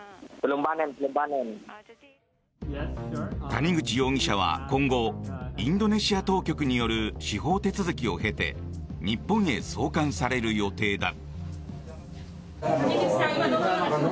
谷口容疑者は今後インドネシア当局による司法手続きを経て日本へ送還される予定だ。